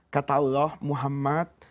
kata allah muhammad